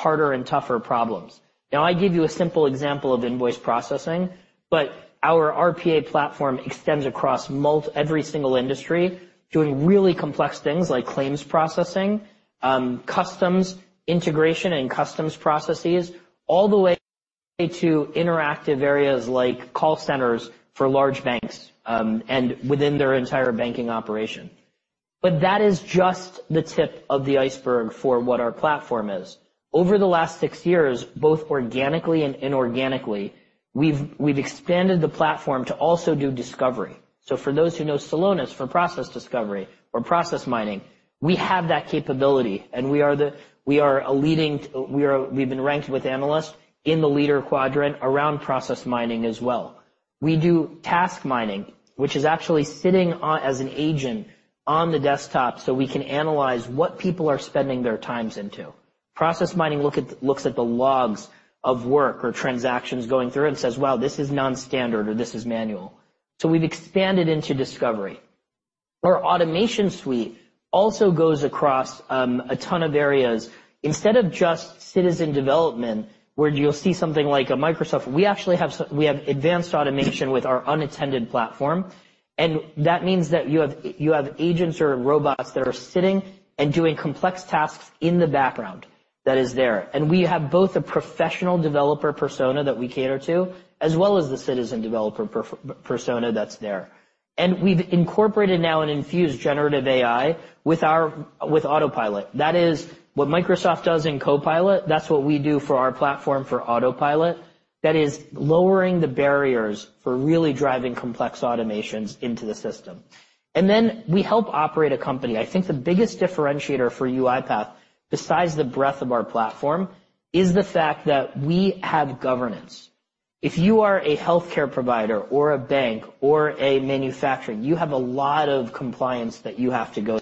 Harder and tougher problems. Now, I gave you a simple example of invoice processing, but our RPA platform extends across every single industry, doing really complex things like claims processing, customs, integration and customs processes, all the way to interactive areas like call centers for large banks, and within their entire banking operation. But that is just the tip of the iceberg for what our platform is. Over the last six years, both organically and inorganically, we've expanded the platform to also do discovery. So for those who know Celonis for process discovery or process mining, we have that capability, and we are a leading—we've been ranked with analysts in the leader quadrant around process mining as well. We do Task Mining, which is actually sitting on as an agent on the desktop, so we can analyze what people are spending their times into. Process mining looks at the logs of work or transactions going through and says, "Wow, this is non-standard, or this is manual." So we've expanded into discovery. Our Automation Suite also goes across a ton of areas. Instead of just citizen development, where you'll see something like a Microsoft, we actually have we have advanced automation with our unattended platform, and that means that you have, you have agents or robots that are sitting and doing complex tasks in the background that is there. And we have both a professional developer persona that we cater to, as well as the citizen developer persona that's there. And we've incorporated now and infused generative AI with our-- with Autopilot. That is, what Microsoft does in Copilot, that's what we do for our platform for Autopilot. That is lowering the barriers for really driving complex automations into the system. And then we help operate a company. I think the biggest differentiator for UiPath, besides the breadth of our platform, is the fact that we have governance. If you are a healthcare provider or a bank or a manufacturer, you have a lot of compliance that you have to go... sure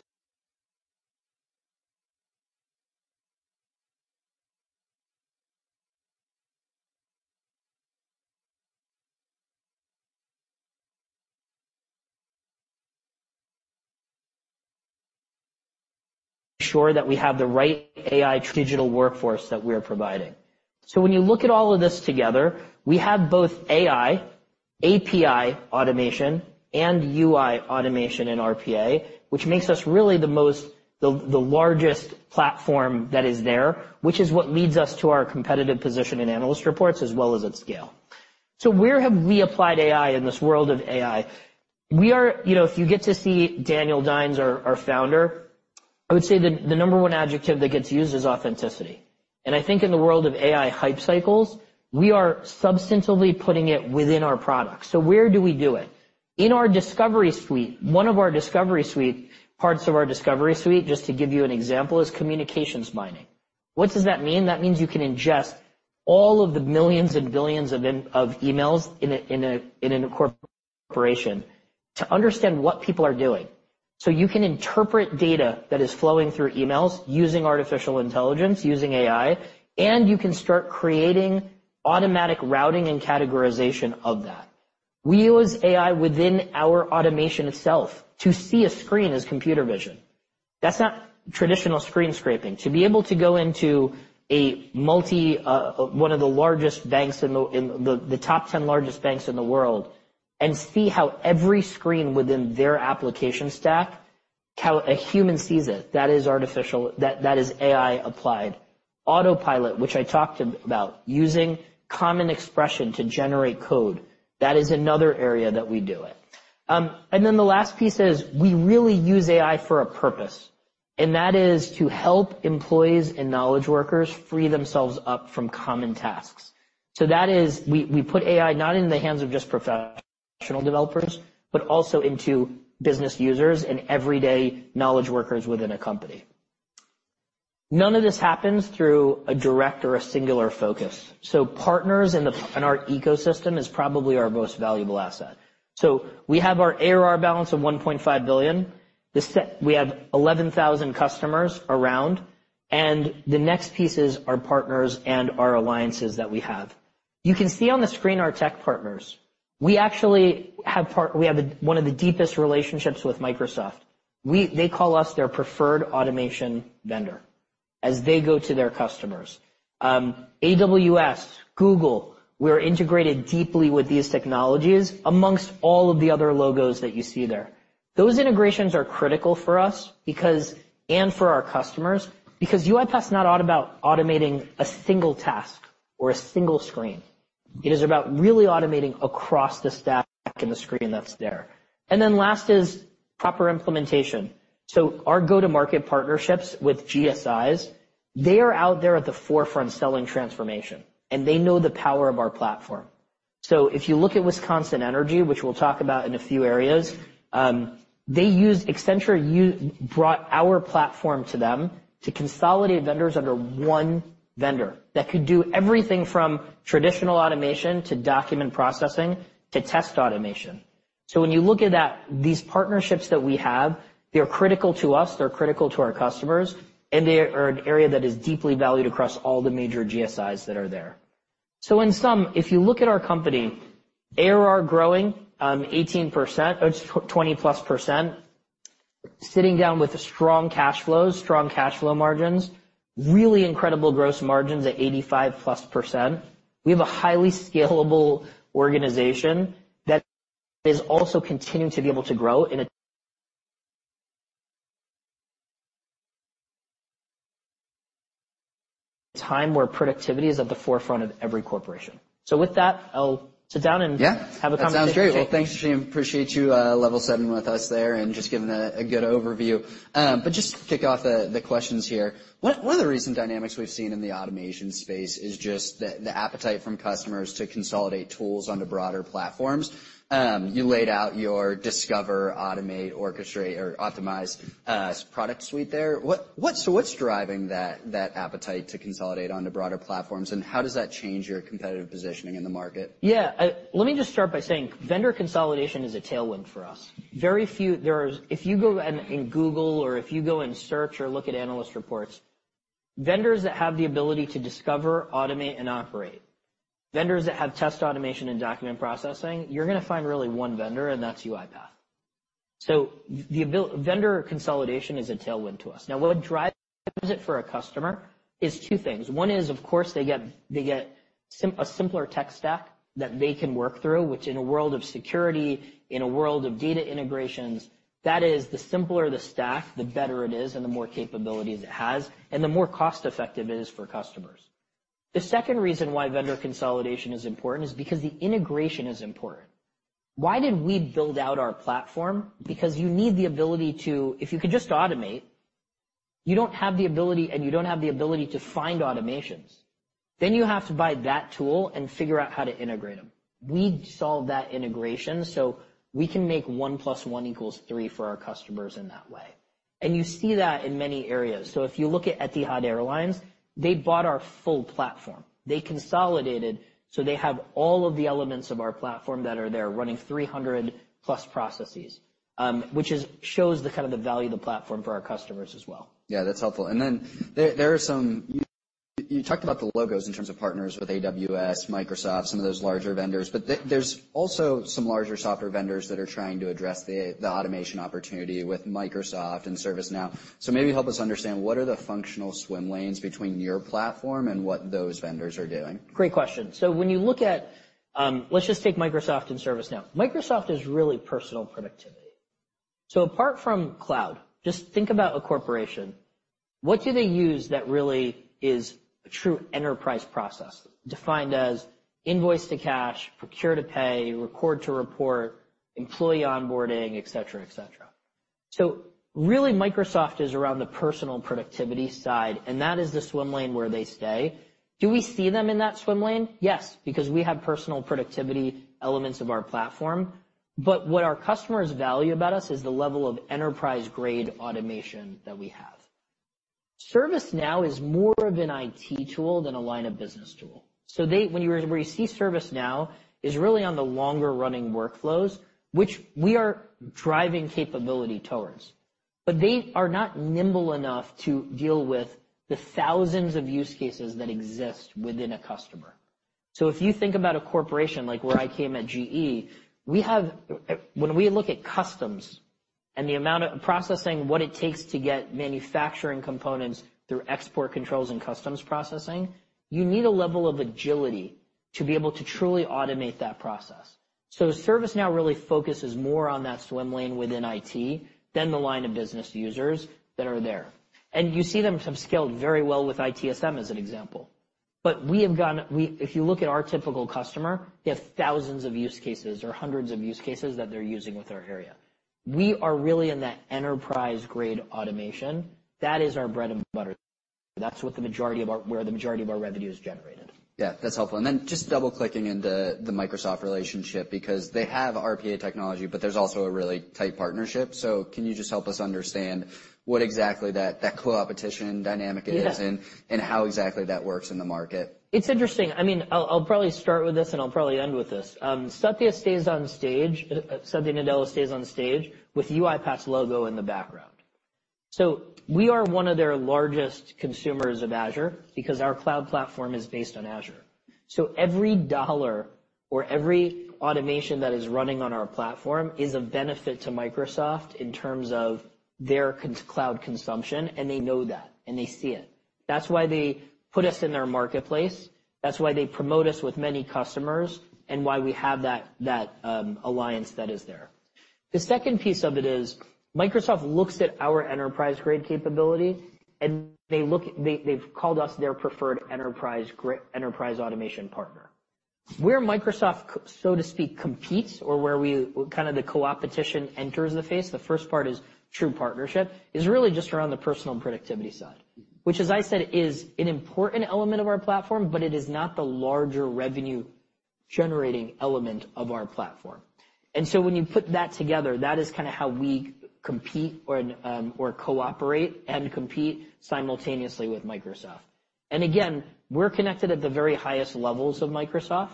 that we have the right AI digital workforce that we are providing. So when you look at all of this together, we have both AI, API automation, and UI automation in RPA, which makes us really the most, the, the largest platform that is there, which is what leads us to our competitive position in analyst reports as well as its scale. So where have we applied AI in this world of AI? We are, you know, if you get to see Daniel Dines, our founder, I would say the number one adjective that gets used is authenticity. And I think in the world of AI hype cycles, we are substantively putting it within our products. So where do we do it? In our discovery suite, parts of our discovery suite, just to give you an example, is Communications Mining. What does that mean? That means you can ingest all of the millions and billions of emails in a corporation, to understand what people are doing. So you can interpret data that is flowing through emails using artificial intelligence, using AI, and you can start creating automatic routing and categorization of that. We use AI within our automation itself to see a screen as computer vision. That's not traditional screen scraping. To be able to go into a multi- one of the largest banks in the top 10 largest banks in the world, and see how every screen within their application stack, how a human sees it, that is artificial, that is AI applied. Autopilot, which I talked about, using common expression to generate code, that is another area that we do it. And then the last piece is we really use AI for a purpose, and that is to help employees and knowledge workers free themselves up from common tasks. So that is, we put AI not in the hands of just professional developers, but also into business users and everyday knowledge workers within a company. None of this happens through a direct or a singular focus, so partners in the, in our ecosystem is probably our most valuable asset. So we have our ARR balance of $1.5 billion. We have 11,000 customers around, and the next piece is our partners and our alliances that we have. You can see on the screen our tech partners. We actually have the one of the deepest relationships with Microsoft. They call us their preferred automation vendor as they go to their customers. AWS, Google, we are integrated deeply with these technologies, among all of the other logos that you see there. Those integrations are critical for us because, and for our customers, because UiPath is not all about automating a single task or a single screen. It is about really automating across the stack and the screen that's there. And then last is proper implementation. So our go-to-market partnerships with GSIs, they are out there at the forefront selling transformation, and they know the power of our platform. So if you look at Wisconsin Energy, which we'll talk about in a few areas, Accenture brought our platform to them to consolidate vendors under one vendor that could do everything from traditional automation to document processing to test automation. So when you look at that, these partnerships that we have, they're critical to us, they're critical to our customers, and they are an area that is deeply valued across all the major GSIs that are there. So in sum, if you look at our company, ARR growing 18%, or 20%+.... sitting down with strong cash flows, strong cash flow margins, really incredible gross margins at 85%+. We have a highly scalable organization that is also continuing to be able to grow in a time where productivity is at the forefront of every corporation. So with that, I'll sit down and- Yeah. Have a conversation. That sounds great. Well, thanks, Shane. Appreciate you level setting with us there and just giving a good overview. But just to kick off the questions here, one of the recent dynamics we've seen in the automation space is just the appetite from customers to consolidate tools onto broader platforms. You laid out your discover, automate, orchestrate, or optimize product suite there. So what's driving that appetite to consolidate onto broader platforms, and how does that change your competitive positioning in the market? Yeah, let me just start by saying vendor consolidation is a tailwind for us. There are- if you go and google, or if you go and search or look at analyst reports, vendors that have the ability to discover, automate, and operate, vendors that have test automation and document processing, you're gonna find really one vendor, and that's UiPath. So vendor consolidation is a tailwind to us. Now, what drives it for a customer is two things. One is, of course, they get a simpler tech stack that they can work through, which in a world of security, in a world of data integrations, that is, the simpler the stack, the better it is and the more capabilities it has, and the more cost-effective it is for customers. The second reason why vendor consolidation is important is because the integration is important. Why did we build out our platform? Because you need the ability to... If you could just automate, you don't have the ability, and you don't have the ability to find automations. Then you have to buy that tool and figure out how to integrate them. We solve that integration, so we can make one plus one equals three for our customers in that way. And you see that in many areas. So if you look at Etihad Airways, they bought our full platform. They consolidated, so they have all of the elements of our platform that are there, running 300+ processes, which shows the kind of the value of the platform for our customers as well. Yeah, that's helpful. And then there are some... You talked about the logos in terms of partners with AWS, Microsoft, some of those larger vendors, but there's also some larger software vendors that are trying to address the automation opportunity with Microsoft and ServiceNow. So maybe help us understand, what are the functional swim lanes between your platform and what those vendors are doing? Great question. So when you look at, let's just take Microsoft and ServiceNow. Microsoft is really personal productivity. So apart from cloud, just think about a corporation. What do they use that really is a true enterprise process, defined as invoice to cash, procure to pay, record to report, employee onboarding, et cetera, et cetera? So really, Microsoft is around the personal productivity side, and that is the swim lane where they stay. Do we see them in that swim lane? Yes, because we have personal productivity elements of our platform, but what our customers value about us is the level of enterprise-grade automation that we have. ServiceNow is more of an IT tool than a line of business tool. So when you see where ServiceNow is really on the longer-running workflows, which we are driving capability towards, but they are not nimble enough to deal with the thousands of use cases that exist within a customer. So if you think about a corporation, like where I came at GE, we have, when we look at customs and the amount of processing, what it takes to get manufacturing components through export controls and customs processing, you need a level of agility to be able to truly automate that process. So ServiceNow really focuses more on that swim lane within IT than the line of business users that are there. And you see them have scaled very well with ITSM, as an example. But we have gone. If you look at our typical customer, they have thousands of use cases or hundreds of use cases that they're using with our RPA. We are really in that enterprise-grade automation. That is our bread and butter. That's where the majority of our revenue is generated. Yeah, that's helpful. And then just double-clicking into the Microsoft relationship, because they have RPA technology, but there's also a really tight partnership. So can you just help us understand what exactly that co-opetition dynamic is? Yeah and how exactly that works in the market? It's interesting. I mean, I'll probably start with this, and I'll probably end with this. Satya Nadella stays on stage with UiPath's logo in the background. So we are one of their largest consumers of Azure, because our cloud platform is based on Azure. So every dollar or every automation that is running on our platform is of benefit to Microsoft in terms of their cloud consumption, and they know that, and they see it. That's why they put us in their marketplace. That's why they promote us with many customers and why we have that alliance that is there. The second piece of it is, Microsoft looks at our enterprise-grade capability, and they look. They, they've called us their preferred enterprise-grade, enterprise automation partner. Where Microsoft, so to speak, competes or where we, kind of the co-opetition enters the face, the first part is true partnership, is really just around the personal productivity side, which, as I said, is an important element of our platform, but it is not the larger revenue-generating element of our platform. So when you put that together, that is kind of how we compete or, or cooperate and compete simultaneously with Microsoft. Again, we're connected at the very highest levels of Microsoft,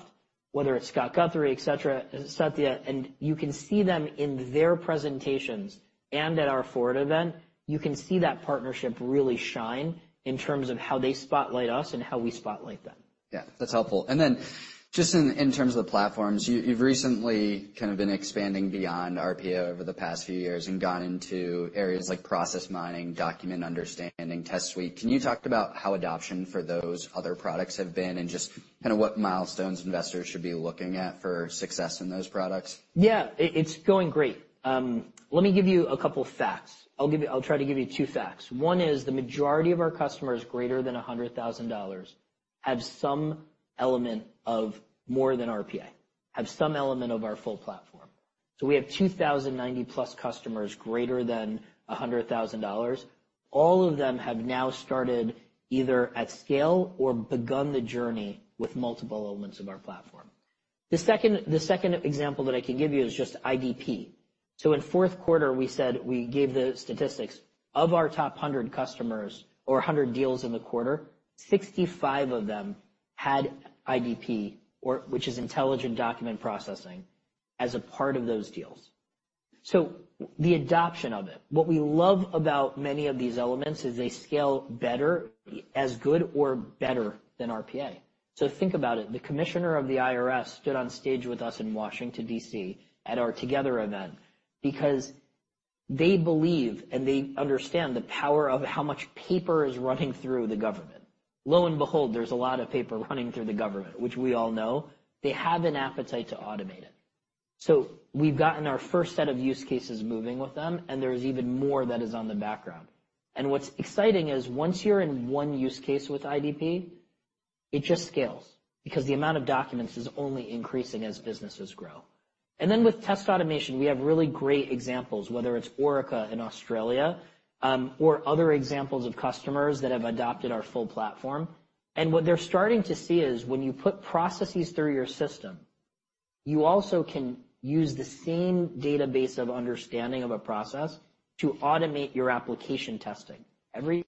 whether it's Scott Guthrie, et cetera, Satya, and you can see them in their presentations and at our Forward event, you can see that partnership really shine in terms of how they spotlight us and how we spotlight them. Yeah, that's helpful. And then just in, in terms of the platforms, you, you've recently kind of been expanding beyond RPA over the past few years and gone into areas like process mining, Document Understanding, Test Suite. Can you talk about how adoption for those other products have been and just kind of what milestones investors should be looking at for success in those products? Yeah, it, it's going great. Let me give you a couple facts. I'll give you. I'll try to give you two facts. One is the majority of our customers greater than $100,000 have some element of more than RPA, have some element of our full platform. So we have 2,090+ customers greater than $100,000. All of them have now started either at scale or begun the journey with multiple elements of our platform. The second, the second example that I can give you is just IDP. So in fourth quarter, we said we gave the statistics. Of our top 100 customers or 100 deals in the quarter, 65 of them had IDP, or which is Intelligent Document Processing, as a part of those deals. So the adoption of it, what we love about many of these elements is they scale better, as good or better than RPA. So think about it, the commissioner of the IRS stood on stage with us in Washington, D.C., at our Together event because they believe, and they understand the power of how much paper is running through the government. Lo and behold, there's a lot of paper running through the government, which we all know. They have an appetite to automate it. So we've gotten our first set of use cases moving with them, and there is even more that is on the background. And what's exciting is once you're in one use case with IDP, it just scales, because the amount of documents is only increasing as businesses grow. And then with test automation, we have really great examples, whether it's Orica in Australia, or other examples of customers that have adopted our full platform. And what they're starting to see is when you put processes through your system, you also can use the same database of understanding of a process to automate your application testing. Every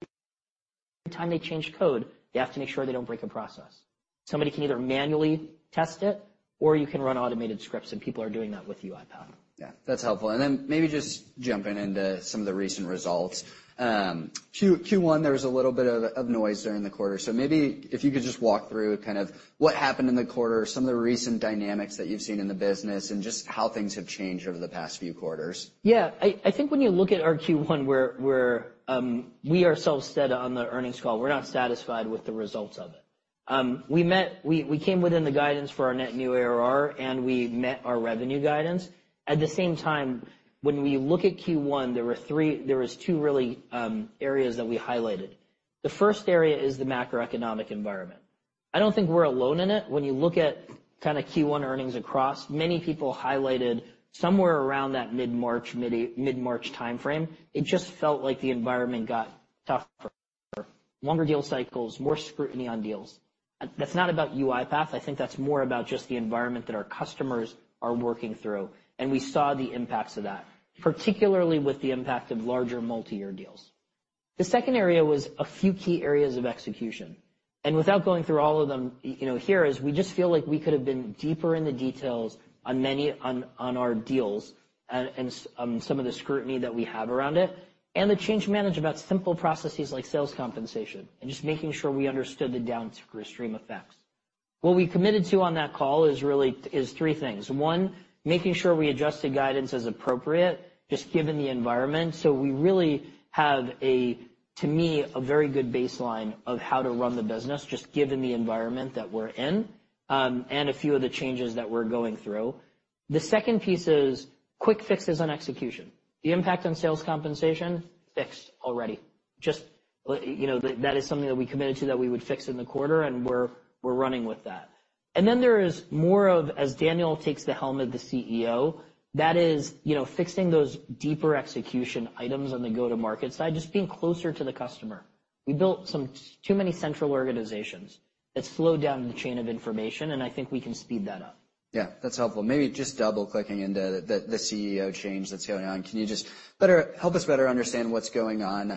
time they change code, they have to make sure they don't break a process. Somebody can either manually test it, or you can run automated scripts, and people are doing that with UiPath. Yeah, that's helpful. Then maybe just jumping into some of the recent results. Q1, there was a little bit of noise during the quarter. Maybe if you could just walk through kind of what happened in the quarter, some of the recent dynamics that you've seen in the business, and just how things have changed over the past few quarters. Yeah. I think when you look at our Q1, we're, we are so steady on the earnings call. We're not satisfied with the results of it. We met, we came within the guidance for our net new ARR, and we met our revenue guidance. At the same time, when we look at Q1, there were three, there was two really, areas that we highlighted. The first area is the macroeconomic environment. I don't think we're alone in it. When you look at kinda Q1 earnings across, many people highlighted somewhere around that mid-March, mid-March time frame, it just felt like the environment got tougher. Longer deal cycles, more scrutiny on deals. That's not about UiPath. I think that's more about just the environment that our customers are working through, and we saw the impacts of that, particularly with the impact of larger multi-year deals. The second area was a few key areas of execution, and without going through all of them, you know, we just feel like we could have been deeper in the details on many, on our deals and, on some of the scrutiny that we have around it, and the change management about simple processes like sales compensation and just making sure we understood the downstream effects. What we committed to on that call is really three things. One, making sure we adjust the guidance as appropriate, just given the environment. So we really have a, to me, a very good baseline of how to run the business, just given the environment that we're in, and a few of the changes that we're going through. The second piece is quick fixes on execution. The impact on sales compensation, fixed already. Just, you know, that is something that we committed to, that we would fix in the quarter, and we're, we're running with that. And then there is more of, as Daniel takes the helm of the CEO, that is, you know, fixing those deeper execution items on the go-to-market side, just being closer to the customer. We built too many central organizations that slowed down the chain of information, and I think we can speed that up. Yeah, that's helpful. Maybe just double-clicking into the CEO change that's going on, can you just better help us better understand what's going on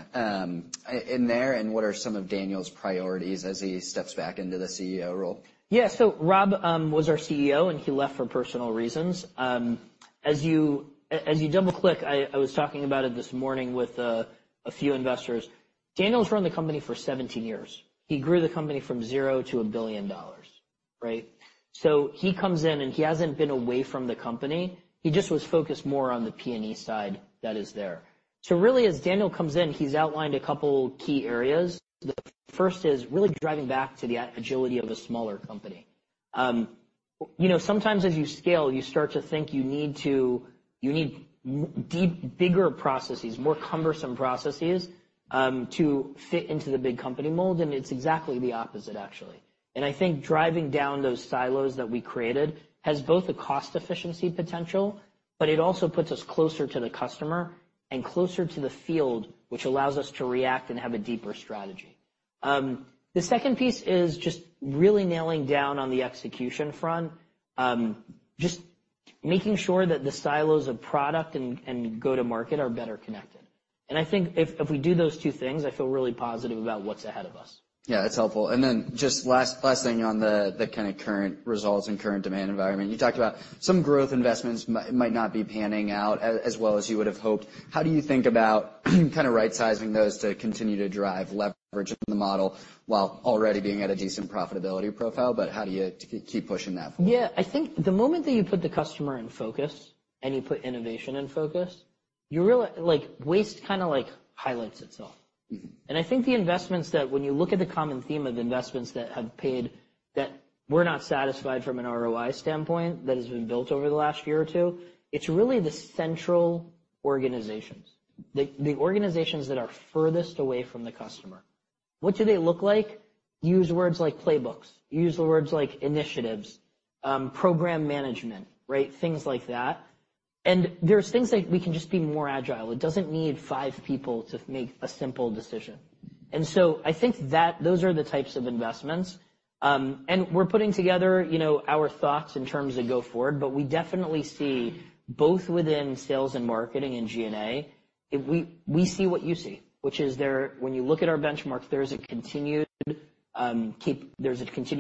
in there, and what are some of Daniel's priorities as he steps back into the CEO role? Yeah. So Rob was our CEO, and he left for personal reasons. As you double-click, I was talking about it this morning with a few investors. Daniel's run the company for 17 years. He grew the company from zero to $1 billion, right? So he comes in, and he hasn't been away from the company. He just was focused more on the P&E side that is there. So really, as Daniel comes in, he's outlined a couple key areas. The first is really driving back to the agility of a smaller company. You know, sometimes as you scale, you start to think you need deep, bigger processes, more cumbersome processes, to fit into the big company mold, and it's exactly the opposite, actually. I think driving down those silos that we created has both a cost-efficiency potential, but it also puts us closer to the customer and closer to the field, which allows us to react and have a deeper strategy. The second piece is just really nailing down on the execution front. Making sure that the silos of product and, and go-to-market are better connected. I think if, if we do those two things, I feel really positive about what's ahead of us. Yeah, that's helpful. And then just last thing on the kinda current results and current demand environment. You talked about some growth investments might not be panning out as well as you would have hoped. How do you think about kinda right-sizing those to continue to drive leverage in the model while already being at a decent profitability profile, but how do you keep pushing that forward? Yeah, I think the moment that you put the customer in focus, and you put innovation in focus, you really—like, waste kinda, like, highlights itself. Mm-hmm. I think the investments that when you look at the common theme of investments that have paid, that we're not satisfied from an ROI standpoint, that has been built over the last year or two, it's really the central organizations. The organizations that are furthest away from the customer. What do they look like? Use words like playbooks. Use the words like initiatives, program management, right? Things like that. And there's things that we can just be more agile. It doesn't need five people to make a simple decision. And so I think that those are the types of investments. And we're putting together, you know, our thoughts in terms of go forward, but we definitely see, both within sales and marketing and G&A, we see what you see, which is when you look at our benchmarks, there is a continued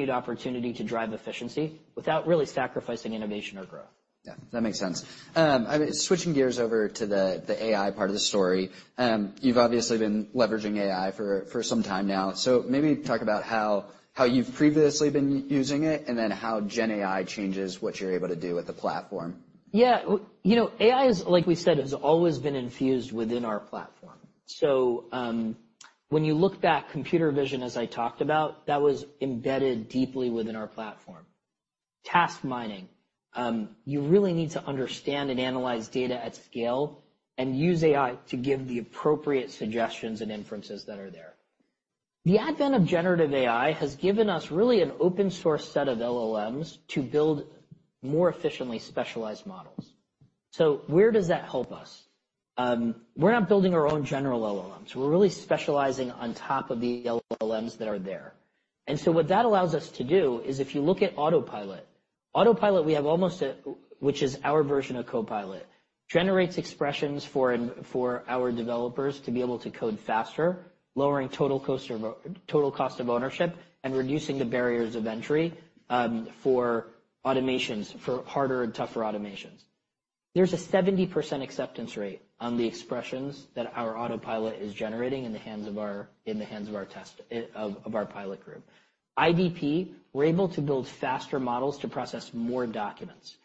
opportunity to drive efficiency without really sacrificing innovation or growth. Yeah, that makes sense. I mean, switching gears over to the AI part of the story. You've obviously been leveraging AI for some time now. So maybe talk about how you've previously been using it, and then how GenAI changes what you're able to do with the platform. Yeah. You know, AI is, like we said, has always been infused within our platform. So, when you look back, computer vision, as I talked about, that was embedded deeply within our platform Task Mining. You really need to understand and analyze data at scale and use AI to give the appropriate suggestions and inferences that are there. The advent of generative AI has given us really an open source set of LLMs to build more efficiently specialized models. So where does that help us? We're not building our own general LLMs. We're really specializing on top of the LLMs that are there. And so what that allows us to do is, if you look at Autopilot. Autopilot, which is our version of Copilot, generates expressions for our developers to be able to code faster, lowering total cost of ownership and reducing the barriers of entry for automations, for harder and tougher automations. There's a 70% acceptance rate on the expressions that our Autopilot is generating in the hands of our pilot group. IDP, we're able to build faster models to process more documents.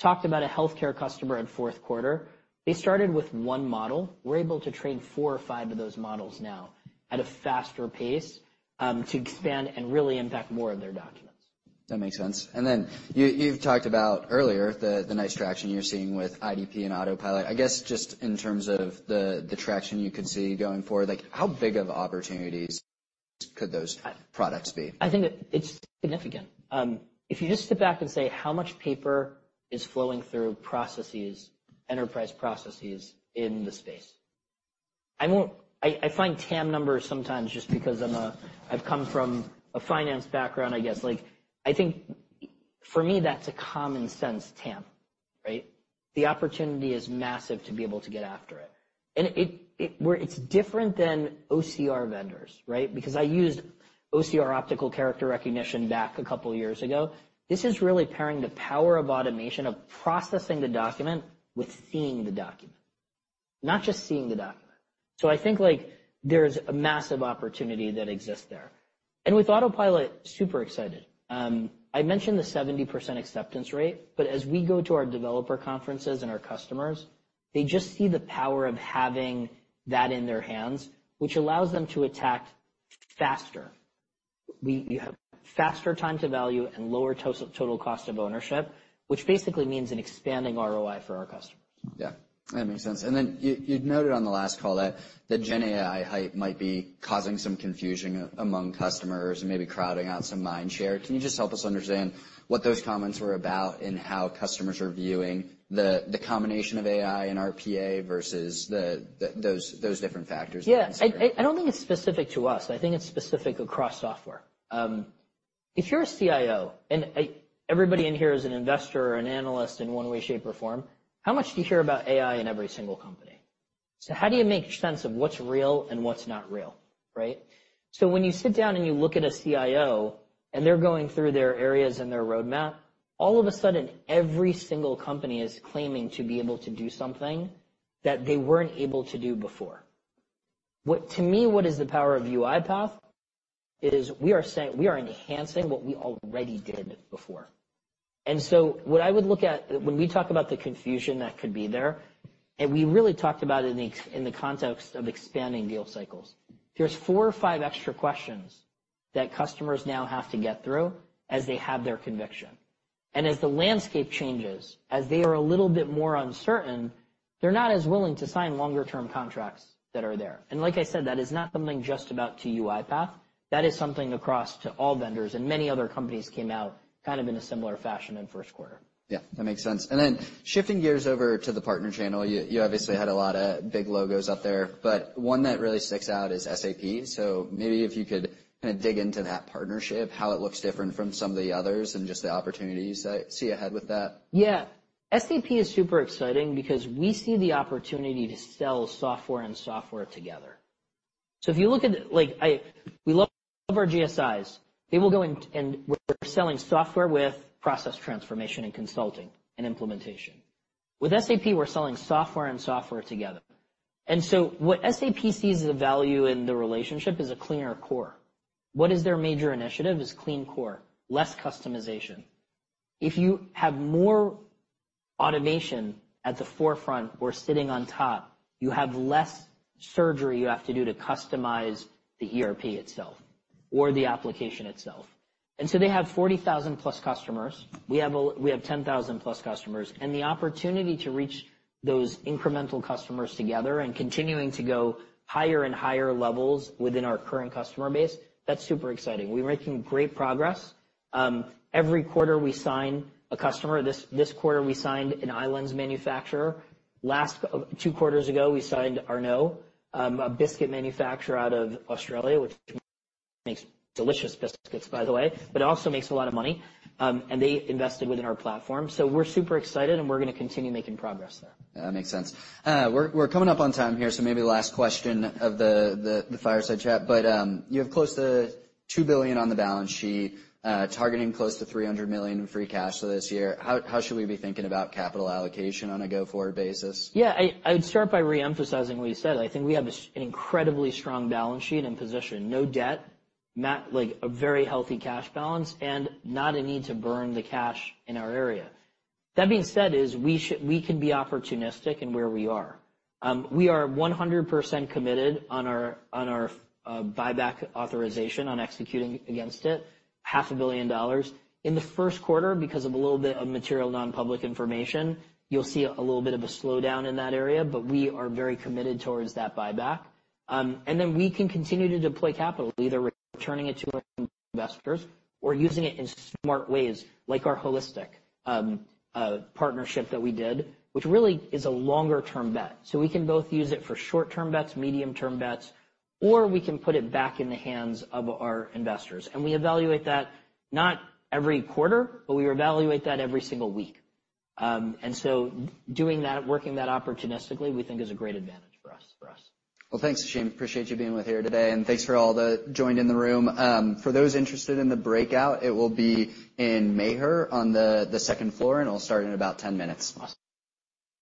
Talked about a healthcare customer in fourth quarter. They started with one model. We're able to train four or five of those models now at a faster pace to expand and really impact more of their documents. That makes sense. And then you've talked about earlier, the nice traction you're seeing with IDP and Autopilot. I guess, just in terms of the traction you could see going forward, like, how big of opportunities could those products be? I think it, it's significant. If you just sit back and say, how much paper is flowing through processes, enterprise processes in the space? I find TAM numbers sometimes just because I'm a, I've come from a finance background, I guess. Like, I think for me, that's a common sense TAM, right? The opportunity is massive to be able to get after it. It's different than OCR vendors, right? Because I used OCR, optical character recognition, back a couple of years ago. This is really pairing the power of automation, of processing the document, with seeing the document, not just seeing the document. So I think, like, there's a massive opportunity that exists there. And with Autopilot, super excited. I mentioned the 70% acceptance rate, but as we go to our developer conferences and our customers, they just see the power of having that in their hands, which allows them to attack faster. You have faster time to value and lower total cost of ownership, which basically means an expanding ROI for our customers. Yeah, that makes sense. And then you'd noted on the last call that GenAI hype might be causing some confusion among customers and maybe crowding out some mind share. Can you just help us understand what those comments were about and how customers are viewing the combination of AI and RPA versus those different factors? Yeah. I don't think it's specific to us. I think it's specific across software. If you're a CIO, and everybody in here is an investor or an analyst in one way, shape, or form, how much do you hear about AI in every single company? So how do you make sense of what's real and what's not real, right? So when you sit down and you look at a CIO, and they're going through their areas and their roadmap, all of a sudden, every single company is claiming to be able to do something that they weren't able to do before. What to me, what is the power of UiPath, is we are saying... We are enhancing what we already did before. So what I would look at when we talk about the confusion that could be there, and we really talked about it in the context of expanding deal cycles. There's four or five extra questions that customers now have to get through as they have their conviction. And as the landscape changes, as they are a little bit more uncertain, they're not as willing to sign longer-term contracts that are there. And like I said, that is not something just about UiPath. That is something across to all vendors, and many other companies came out kind of in a similar fashion in first quarter. Yeah, that makes sense. Then shifting gears over to the partner channel, you obviously had a lot of big logos up there, but one that really sticks out is SAP. So maybe if you could kinda dig into that partnership, how it looks different from some of the others, and just the opportunities that you see ahead with that. Yeah.... SAP is super exciting because we see the opportunity to sell software and software together. So if you look at, like, we love our GSIs. They will go in and we're selling software with process transformation and consulting and implementation. With SAP, we're selling software and software together. And so what SAP sees as a value in the relationship is a cleaner core. What is their major initiative? Is Clean Core, less customization. If you have more automation at the forefront or sitting on top, you have less surgery you have to do to customize the ERP itself or the application itself. And so they have 40,000+ customers. We have a- we have 10,000+ customers, and the opportunity to reach those incremental customers together and continuing to go higher and higher levels within our current customer base, that's super exciting. We're making great progress. Every quarter, we sign a customer. This quarter, we signed an appliance manufacturer. Last two quarters ago, we signed Arnott's, a biscuit manufacturer out of Australia, which makes delicious biscuits, by the way, but also makes a lot of money. And they invested within our platform. So we're super excited, and we're going to continue making progress there. Yeah, that makes sense. We're coming up on time here, so maybe the last question of the fireside chat, but you have close to $2 billion on the balance sheet, targeting close to $300 million in free cash flow this year. How should we be thinking about capital allocation on a go-forward basis? Yeah, I'd start by re-emphasizing what you said. I think we have an incredibly strong balance sheet and position. No debt, like, a very healthy cash balance, and not a need to burn the cash in our area. That being said, we can be opportunistic in where we are. We are 100% committed on our buyback authorization, on executing against it, $500 million. In the first quarter, because of a little bit of material, non-public information, you'll see a little bit of a slowdown in that area, but we are very committed towards that buyback. And then we can continue to deploy capital, either returning it to our investors or using it in smart ways, like our Holistic partnership that we did, which really is a longer-term bet. So we can both use it for short-term bets, medium-term bets, or we can put it back in the hands of our investors. We evaluate that not every quarter, but we evaluate that every single week. So doing that, working that opportunistically, we think is a great advantage for us, for us. Well, thanks, Shane. Appreciate you being with here today, and thanks for all that joined in the room. For those interested in the breakout, it will be in Muir on the, the second floor, and it'll start in about 10 minutes. Awesome.